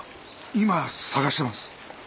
今捜してます。